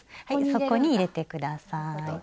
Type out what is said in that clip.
そこに入れて下さい。